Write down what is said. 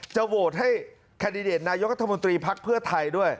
โหวตให้แคนดิเดตนายกรัฐมนตรีพักเพื่อไทยด้วย